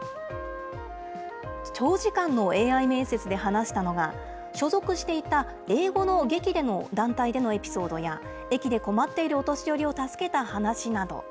長時間のＡＩ面接で話したのが、所属していた英語の劇での団体でのエピソードや、駅で困っているお年寄りを助けた話など。